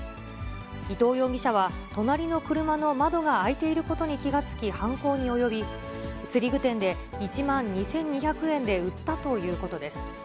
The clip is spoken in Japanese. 伊藤容疑者は、隣の車の窓が開いていることに気が付き、犯行に及び、釣り具店で１万２２００円で売ったということです。